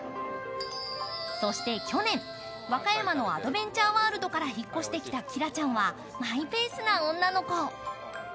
そして去年、和歌山のアドベンチャーワールドから引っ越してきたキラちゃんはマイペースな女の子。